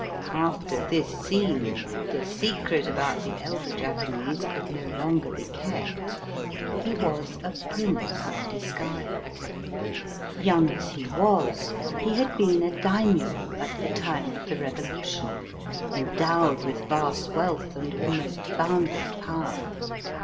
After this scene the secret about the elder Japanese could no longer be kept. He was a prince in disguise. Young as he was, he had been a Daimio at the time of the revo lution, endowed with vast wealth and almost boundless power.